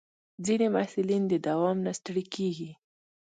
ځینې محصلین د دوام نه ستړي کېږي.